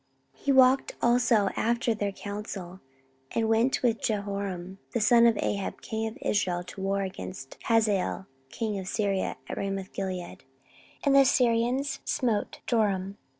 14:022:005 He walked also after their counsel, and went with Jehoram the son of Ahab king of Israel to war against Hazael king of Syria at Ramothgilead: and the Syrians smote Joram.